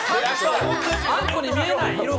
あんこに見えない、色が。